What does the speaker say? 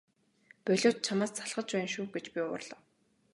Болиоч чамаас залхаж байна шүү гэж би уурлав.